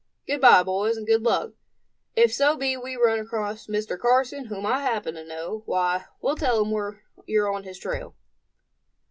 Good bye, boys and good luck. If so be we run across Mr. Carson, whom I happen to know, why, we'll tell him you're on his trail."